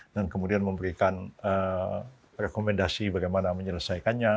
dan kemudian memberikan rekomendasi bagaimana menyelesaikannya